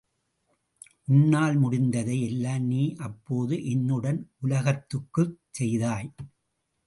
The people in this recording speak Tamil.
உன்னால் முடிந்ததை எல்லாம் நீ அப்போது என்னுடன் உலகத்துக்குச் செய்தாய்.